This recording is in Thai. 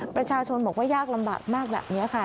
ประชาชนบอกว่ายากลำบากมากแบบนี้ค่ะ